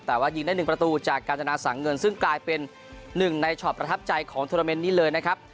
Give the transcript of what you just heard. แต่ว่ายิงได้๑ประตูจากการจนาสังเงินซึ่งกลายเป็นหนึ่งในช็อตประทับใจของโทรเมนต์นี้เลยนะครับ